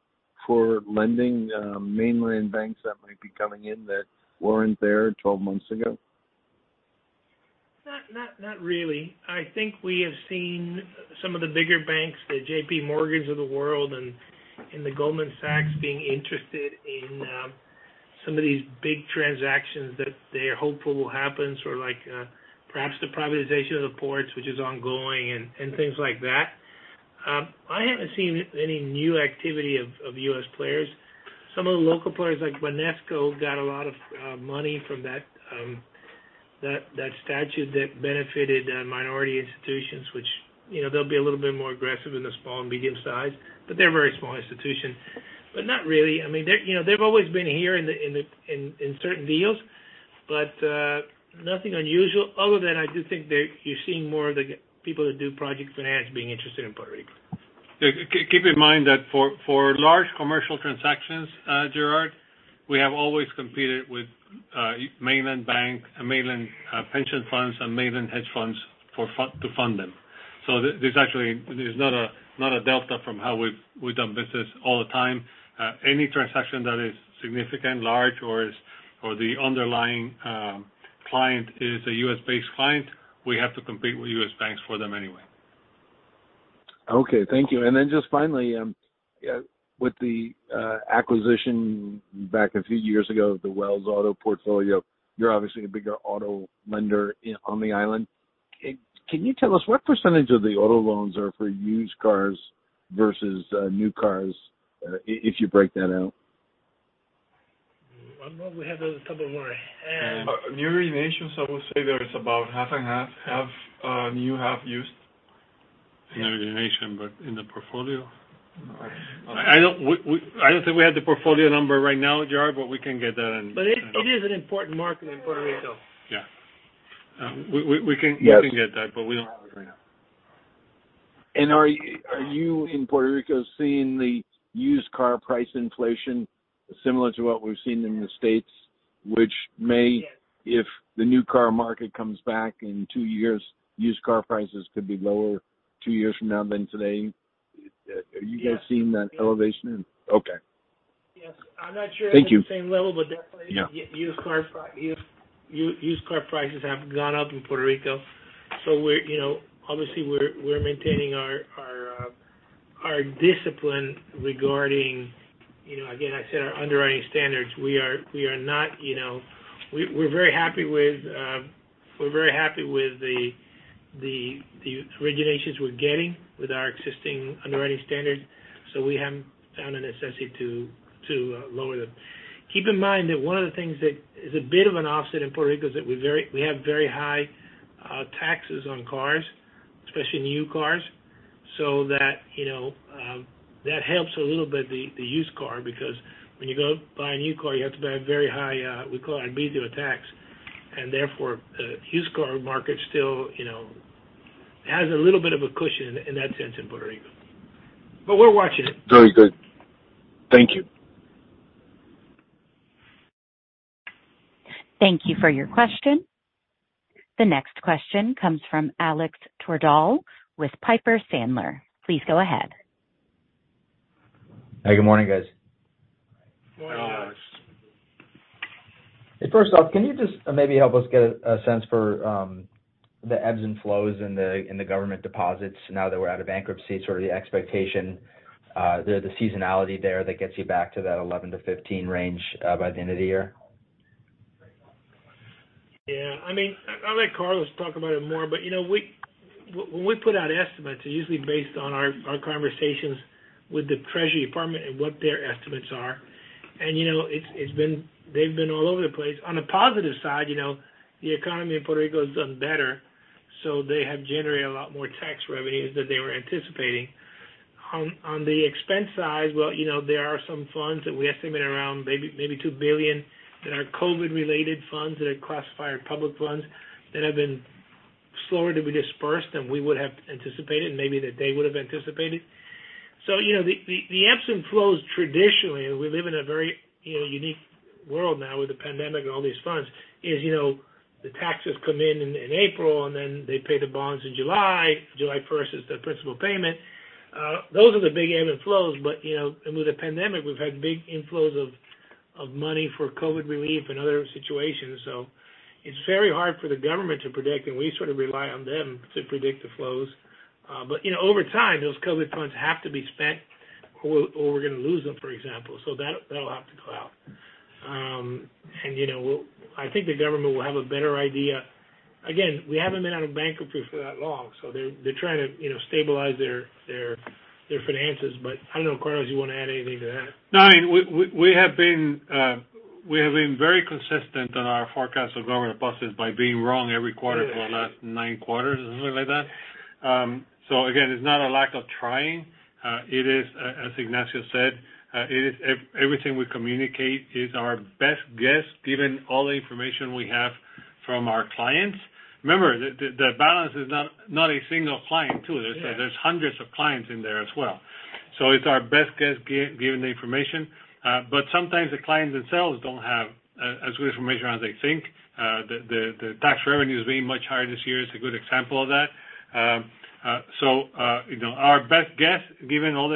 for lending, mainland banks that might be coming in that weren't there 12 months ago? Not really. I think we have seen some of the bigger banks, the JPMorgan's of the world and the Goldman Sachs being interested in some of these big transactions that they're hopeful will happen, sort of like perhaps the privatization of the ports, which is ongoing and things like that. I haven't seen any new activity of U.S. players. Some of the local players like Banesco got a lot of money from that statute that benefited minority institutions, which, you know, they'll be a little bit more aggressive in the small and medium size, but they're a very small institution. But not really. I mean, they're, you know, they've always been here in certain deals, but nothing unusual. Other than that, I do think you're seeing more of the people that do project finance being interested in Puerto Rico. Yeah. Keep in mind that for large commercial transactions, Gerard, we have always competed with mainland banks and mainland pension funds and mainland hedge funds to fund them. There's actually not a delta from how we've done business all the time. Any transaction that is significant, large, or the underlying client is a U.S.-based client, we have to compete with U.S. banks for them anyway. Okay. Thank you. Just finally, with the acquisition back a few years ago, the Wells Fargo auto portfolio, you're obviously a bigger auto lender on the island. Can you tell us what percentage of the auto loans are for used cars versus new cars, if you break that out? I don't know. We have a couple more hands. New origination, so we'll say there is about half and half. Half, new, half used. In origination, but in the portfolio? No. I don't think we have the portfolio number right now, Gerard, but we can get that and- It is an important market in Puerto Rico. Yeah. We can get that, but we don't have it right now. Are you in Puerto Rico seeing the used car price inflation similar to what we've seen in the States, which may, if the new car market comes back in 2 years, used car prices could be lower 2 years from now than today? Are you guys seeing that elevation? Okay. Yes. I'm not sure at the same level. Thank you. Definitely used car prices have gone up in Puerto Rico. You know, obviously we're maintaining our discipline regarding, you know, again, I said our underwriting standards. We are not, you know. We're very happy with the originations we're getting with our existing underwriting standards. We haven't found a necessity to lower them. Keep in mind that one of the things that is a bit of an offset in Puerto Rico is that we have very high taxes on cars, especially new cars. That helps a little bit the used car because when you go buy a new car, you have to pay a very high, we call it initial tax. Therefore, the used car market still, you know, has a little bit of a cushion in that sense in Puerto Rico. We're watching it. Very good. Thank you. Thank you for your question. The next question comes from Alex Twerdahl with Piper Sandler. Please go ahead. Hey, good morning, guys. Morning, Alex. Good morning, Alex. First off, can you just maybe help us get a sense for the ebbs and flows in the government deposits now that we're out of bankruptcy, sort of the expectation, the seasonality there that gets you back to that 11-15 range by the end of the year? Yeah. I mean, I'll let Carlos talk about it more, but you know, when we put out estimates, they're usually based on our conversations with the Treasury Department and what their estimates are. You know, it's been. They've been all over the place. On the positive side, you know, the economy in Puerto Rico has done better, so they have generated a lot more tax revenues than they were anticipating. On the expense side, well, you know, there are some funds that we estimate around maybe $2 billion that are COVID-related funds that are classified public funds that have been slower to be dispersed than we would have anticipated, maybe that they would have anticipated. You know, the ebbs and flows traditionally, and we live in a very unique world now with the pandemic and all these funds. You know, the taxes come in in April, and then they pay the bonds in July. July first is the principal payment. Those are the big ebb and flows, but you know, and with the pandemic, we've had big inflows of money for COVID relief and other situations. It's very hard for the government to predict, and we sort of rely on them to predict the flows. But you know, over time, those COVID funds have to be spent or we're gonna lose them, for example. That'll have to go out. You know, we'll. I think the government will have a better idea. Again, we haven't been out of bankruptcy for that long, so they're trying to, you know, stabilize their finances. I don't know, Carlos, you wanna add anything to that? No, I mean, we have been very consistent on our forecast of government deposits by being wrong every quarter. Yeah, yeah. For the last nine quarters or something like that. Again, it's not a lack of trying. It is, as Ignacio said, everything we communicate is our best guess, given all the information we have from our clients. Remember, the balance is not a single client, too. Yeah. There's hundreds of clients in there as well. It's our best guess given the information. Sometimes the clients themselves don't have as good information as they think. The tax revenue is being much higher this year. It's a good example of that. You know, our best guess, given all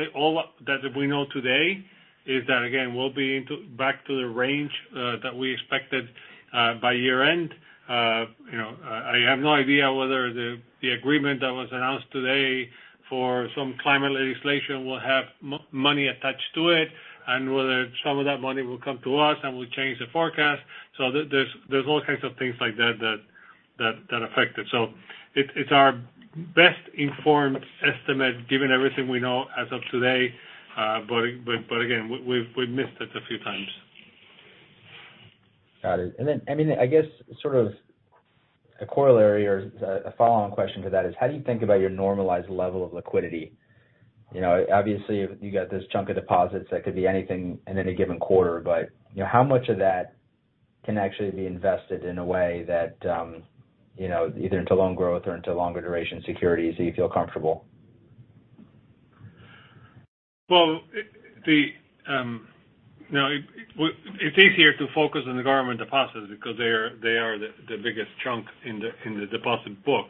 that we know today, is that, again, we'll be back to the range that we expected by year end. You know, I have no idea whether the agreement that was announced today for some climate legislation will have money attached to it and whether some of that money will come to us, and we change the forecast. There's all kinds of things like that that affect it. It's our best informed estimate, given everything we know as of today. Again, we've missed it a few times. Got it. I mean, I guess sort of a corollary or a follow-on question to that is, how do you think about your normalized level of liquidity? You know, obviously, you got this chunk of deposits that could be anything in any given quarter, but, you know, how much of that can actually be invested in a way that, you know, either into loan growth or into longer duration securities that you feel comfortable? Well, you know, it's easier to focus on the government deposits because they are the biggest chunk in the deposit book.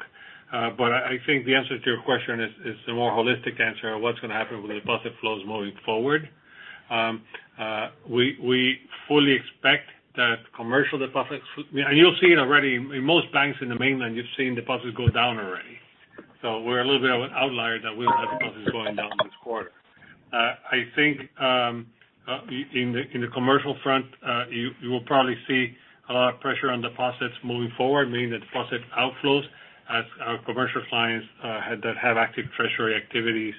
I think the answer to your question is the more holistic answer of what's gonna happen with the deposit flows moving forward. We fully expect that commercial deposits. You'll see it already. In most banks in the mainland, you've seen deposits go down already. We're a little bit of an outlier that we'll have deposits going down this quarter. I think in the commercial front, you will probably see a lot of pressure on deposits moving forward, meaning that deposit outflows as our commercial clients that have active treasury activities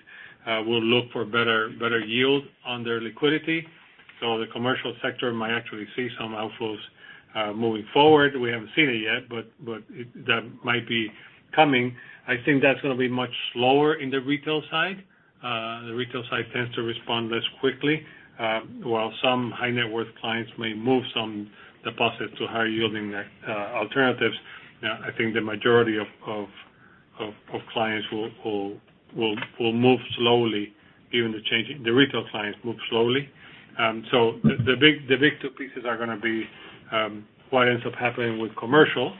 will look for better yield on their liquidity. The commercial sector might actually see some outflows, moving forward. We haven't seen it yet, but that might be coming. I think that's gonna be much slower in the retail side. The retail side tends to respond less quickly. While some high net worth clients may move some deposits to higher yielding alternatives, I think the majority of clients will move slowly. The retail clients move slowly. The big two pieces are gonna be what ends up happening with commercial,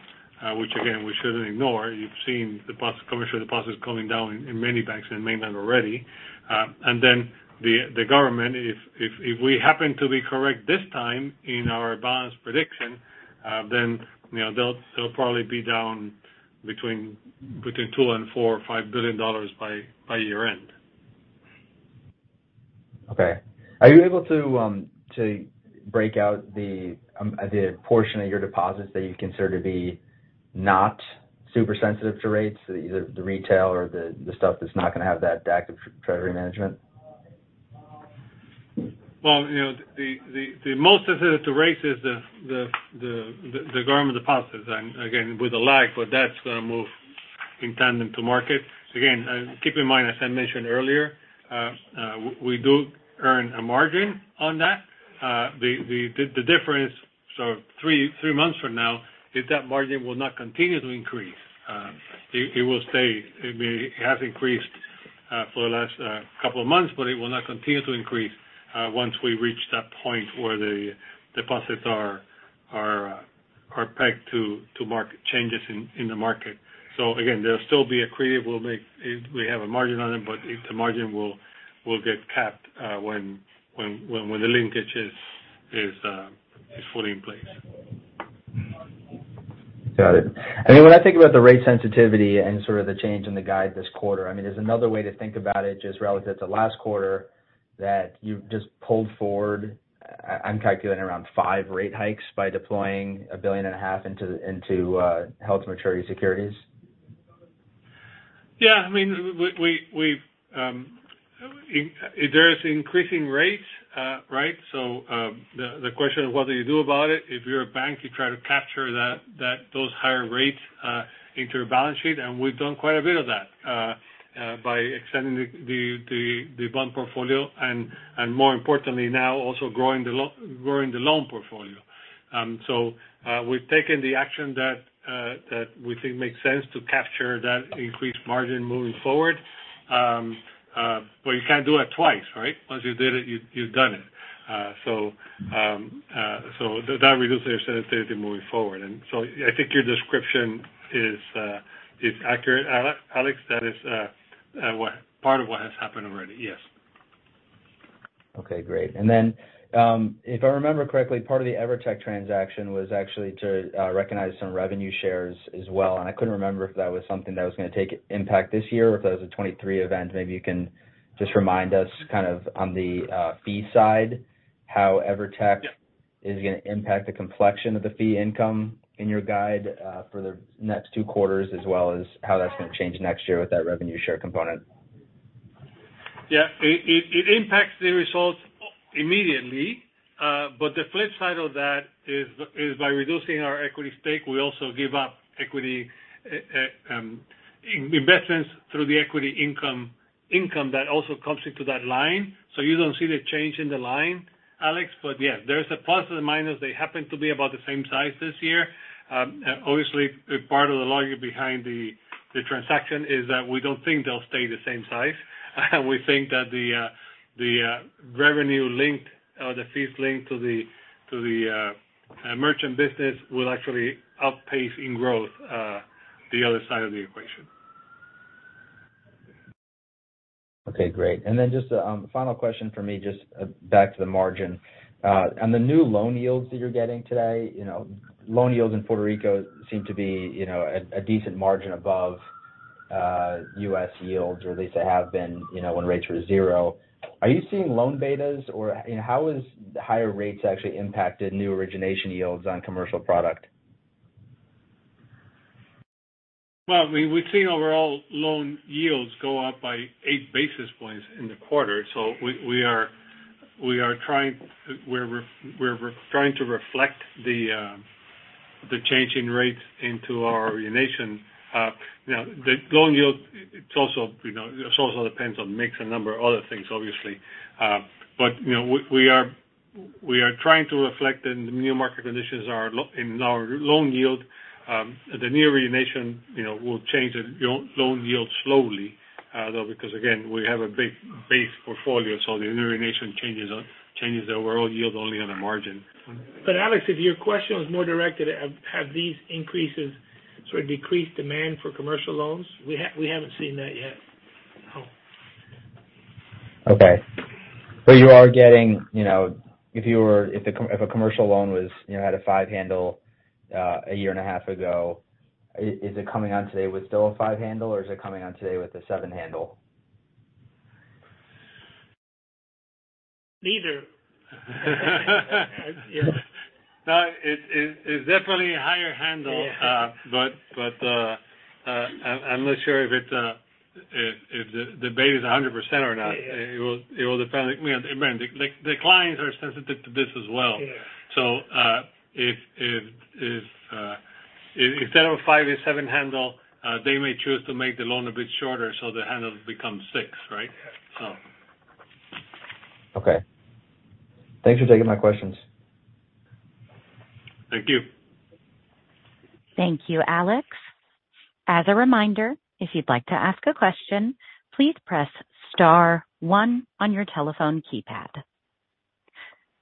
which again, we shouldn't ignore. You've seen deposits, commercial deposits coming down in many banks in the mainland already. The government, if we happen to be correct this time in our balance prediction, then, you know, they'll probably be down between $2 billion and $4 billion or $5 billion by year end. Okay. Are you able to to break out the portion of your deposits that you consider to be not super sensitive to rates, either the retail or the stuff that's not gonna have that active treasury management? Well, you know, the most sensitive to rates is the government deposits. Again, with a lag, but that's gonna move in tandem to market. Keep in mind, as I mentioned earlier, we do earn a margin on that. The difference, so three months from now is that margin will not continue to increase. It will stay. It has increased for the last couple of months, but it will not continue to increase once we reach that point where the deposits are pegged to market changes in the market. Again, there'll still be accretive we'll make if we have a margin on it, but the margin will get capped when the linkage is fully in place. Got it. I mean, when I think about the rate sensitivity and sort of the change in the guide this quarter, I mean, there's another way to think about it just relative to last quarter that you've just pulled forward. I'm calculating around five rate hikes by deploying $1.5 billion into held to maturity securities. Yeah. I mean, we've—There are increasing rates, right? The question is, what do you do about it? If you're a bank, you try to capture those higher rates into your balance sheet, and we've done quite a bit of that by extending the bond portfolio and more importantly now also growing the loan portfolio. We've taken the action that we think makes sense to capture that increased margin moving forward. But you can't do it twice, right? Once you did it, you've done it. That reduces your sensitivity moving forward. I think your description is accurate, Alex. That is what part of what has happened already. Yes. Okay, great. If I remember correctly, part of the Evertec transaction was actually to recognize some revenue shares as well. I couldn't remember if that was something that was gonna take impact this year or if that was a 2023 event. Maybe you can just remind us kind of on the fee side, how Evertec- Yeah. is gonna impact the complexion of the fee income in your guide, for the next two quarters as well as how that's gonna change next year with that revenue share component. Yeah. It impacts the results immediately. The flip side of that is by reducing our equity stake, we also give up equity investments through the equity income that also comes into that line. You don't see the change in the line, Alex. Yeah, there's a plus and minus. They happen to be about the same size this year. Obviously, part of the logic behind the transaction is that we don't think they'll stay the same size. We think that the revenue linked or the fees linked to the merchant business will actually outpace in growth the other side of the equation. Okay, great. Just a final question for me, just back to the margin. On the new loan yields that you're getting today, you know, loan yields in Puerto Rico seem to be, you know, a decent margin above, U.S. yields, or at least they have been, you know, when rates were zero. Are you seeing loan betas or, you know, how has higher rates actually impacted new origination yields on commercial product? Well, we've seen overall loan yields go up by eight basis points in the quarter. We are trying to reflect the change in rates into our origination. You know, the loan yield, it also, you know, depends on mix and a number of other things, obviously. You know, we are trying to reflect the new market conditions in our loan yield. The new origination, you know, will change the loan yield slowly, though, because again, we have a big base portfolio, so the new origination changes the overall yield only on the margin. Alex Twerdahl, if your question was more directed at have these increases sort of decreased demand for commercial loans, we haven't seen that yet. No. Okay. You are getting, you know, if a commercial loan was, you know, had a 5 handle a year and a half ago, is it coming on today with still a 5 handle or is it coming on today with a 7 handle? Neither. No, it's definitely a higher handle. Yeah. I'm not sure if the base is 100% or not. Yeah. It will depend. You know, I mean, the clients are sensitive to this as well. Yeah. If instead of 5-year 7 handle, they may choose to make the loan a bit shorter, so the handle becomes 6, right? Yeah. So. Okay. Thanks for taking my questions. Thank you. Thank you, Alex. As a reminder, if you'd like to ask a question, please press star one on your telephone keypad.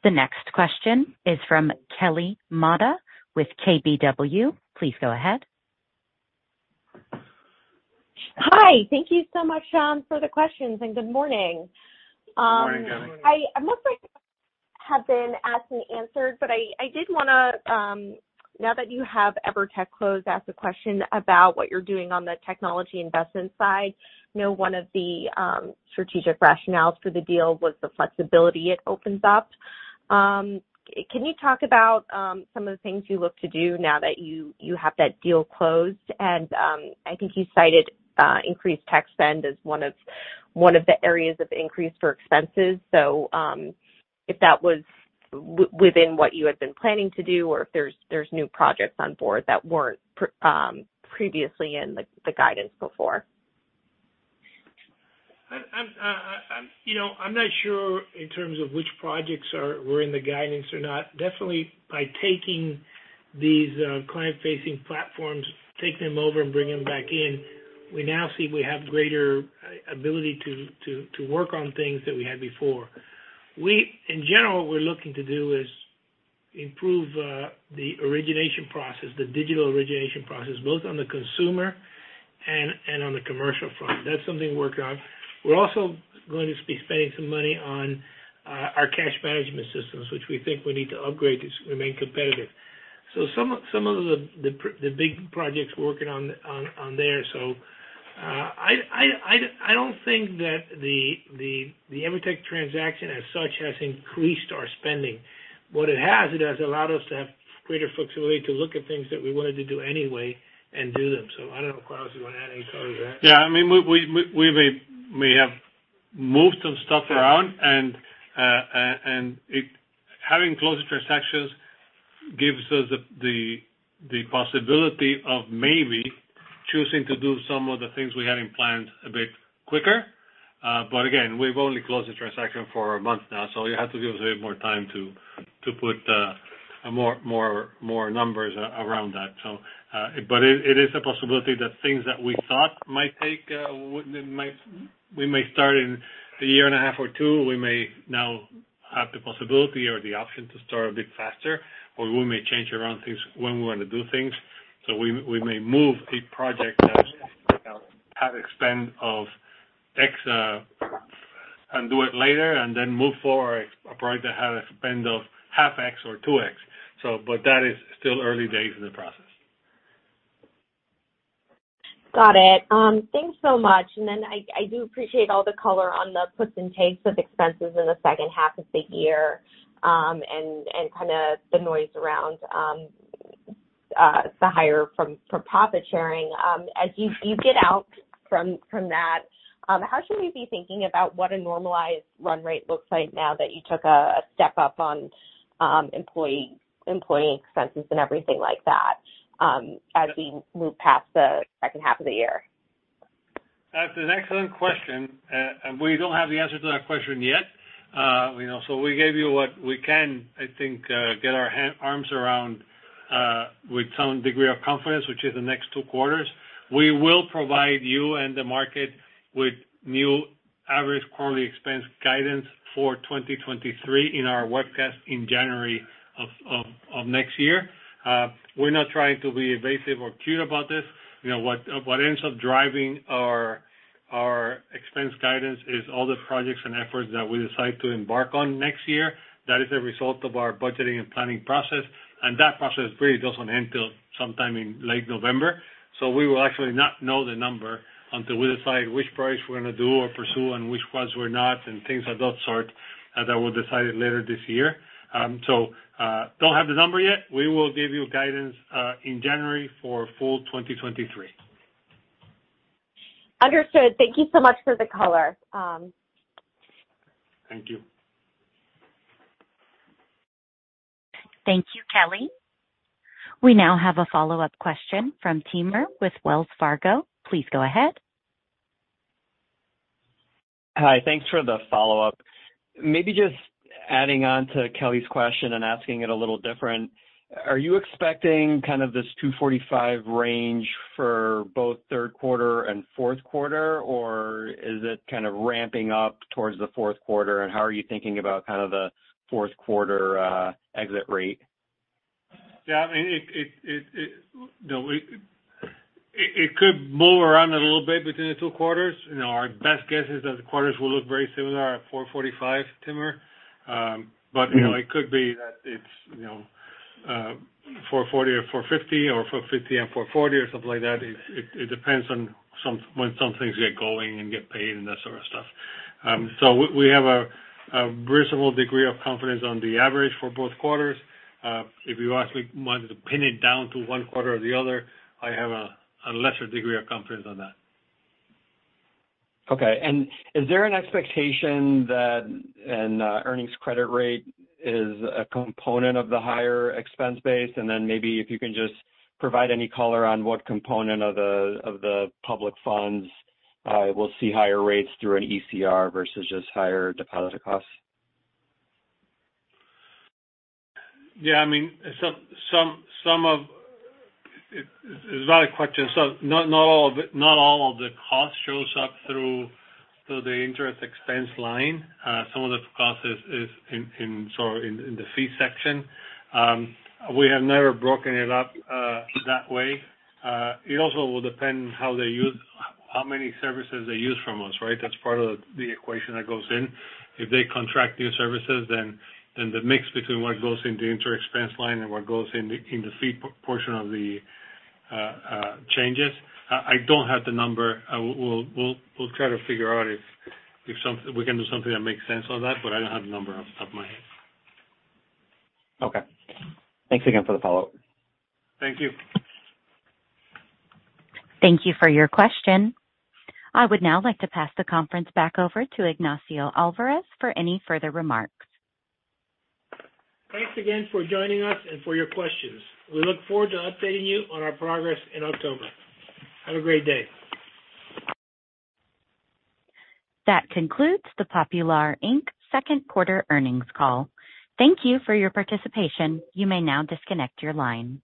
The next question is from Kelly Motta with KBW. Please go ahead. Hi. Thank you so much for the questions, and good morning. Good morning, Kelly. Good morning. Most of my questions have been asked and answered, but I did wanna now that you have Evertec closed, ask a question about what you're doing on the technology investment side. I know one of the strategic rationales for the deal was the flexibility it opens up. Can you talk about some of the things you look to do now that you have that deal closed? I think you cited increased tech spend as one of the areas of increase for expenses. If that was within what you had been planning to do or if there's new projects on board that weren't previously in the guidance before. I'm, you know, I'm not sure in terms of which projects were in the guidance or not. Definitely by taking these client-facing platforms, taking them over and bringing them back in, we now see we have greater ability to work on things than we had before. In general, what we're looking to do is improve the origination process, the digital origination process, both on the consumer and on the commercial front. That's something we're working on. We're also going to be spending some money on our cash management systems, which we think we need to upgrade to remain competitive. Some of the big projects we're working on there. I don't think that the Evertec transaction as such has increased our spending. What it has allowed us to have greater flexibility to look at things that we wanted to do anyway and do them. I don't know if Carlos, you wanna add any color to that? Yeah. I mean, we may have moved some stuff around. Having closed transactions gives us the possibility of maybe choosing to do some of the things we had planned a bit quicker. Again, we've only closed the transaction for a month now, so you have to give us a bit more time to put more numbers around that. It is a possibility that things that we thought we may start in a year and a half or two. We may now have the possibility or the option to start a bit faster, or we may change around things when we want to do things. We may move a project that has, you know, spend of X and do it later and then move forward a project that had a spend of half X or two X. That is still early days in the process. Got it. Thanks so much. I do appreciate all the color on the puts and takes of expenses in the second half of the year, and kind of the noise around the higher profit sharing. As you get out from that, how should we be thinking about what a normalized run rate looks like now that you took a step up on employee expenses and everything like that, as we move past the second half of the year? That's an excellent question. We don't have the answer to that question yet. You know, we gave you what we can, I think, get our arms around, with some degree of confidence, which is the next two quarters. We will provide you and the market with new average quarterly expense guidance for 2023 in our webcast in January of next year. We're not trying to be evasive or cute about this. You know, what ends up driving our expense guidance is all the projects and efforts that we decide to embark on next year. That is a result of our budgeting and planning process, and that process really doesn't end till sometime in late November. We will actually not know the number until we decide which projects we're gonna do or pursue and which ones we're not, and things of that sort that we'll decide later this year. Don't have the number yet. We will give you guidance in January for full 2023. Understood. Thank you so much for the color. Thank you. Thank you, Kelly. We now have a follow-up question from Timur with Wells Fargo. Please go ahead. Hi. Thanks for the follow-up. Maybe just adding on to Kelly's question and asking it a little different. Are you expecting kind of this 2.45% range for both third quarter and fourth quarter, or is it kind of ramping up towards the fourth quarter? How are you thinking about kind of the fourth quarter exit rate? Yeah, I mean it could move around a little bit between the two quarters. You know, our best guess is that the quarters will look very similar at 4.45%, Timur. You know, it could be that it's, you know, 4.40% or 4.50% or 4.50% and 4.40% or something like that. It depends on when some things get going and get paid and that sort of stuff. We have a reasonable degree of confidence on the average for both quarters. If you wanted to pin it down to one quarter or the other, I have a lesser degree of confidence on that. Okay. Is there an expectation that an earnings credit rate is a component of the higher expense base? Maybe if you can just provide any color on what component of the public funds will see higher rates through an ECR versus just higher deposit costs. Yeah, I mean, some of it. It's a valid question. Not all of the cost shows up through the interest expense line. Some of the cost is in the fee section. We have never broken it up that way. It also will depend how many services they use from us, right? That's part of the equation that goes in. If they contract new services, then the mix between what goes in the interest expense line and what goes in the fee portion of the changes. I don't have the number. We'll try to figure out if we can do something that makes sense on that, but I don't have the number off my head. Okay. Thanks again for the follow-up. Thank you. Thank you for your question. I would now like to pass the conference back over to Ignacio Alvarez for any further remarks. Thanks again for joining us and for your questions. We look forward to updating you on our progress in October. Have a great day. That concludes the Popular, Inc. second quarter earnings call. Thank you for your participation. You may now disconnect your line.